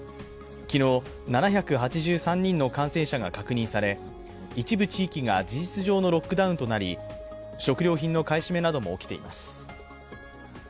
昨日、７８３人の感染者が確認され一部地域が事実上のロックダウンとなり、食料品の買い占めなども起きています。